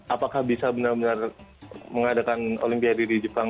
apakah bisa benar benar mengadakan olimpiade di jepang